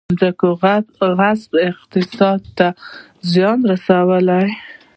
د ځمکو غصب اقتصاد ته زیان رسولی؟